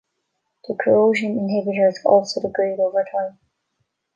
The corrosion inhibitors also degrade over time.